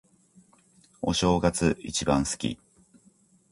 お正月、一番好き。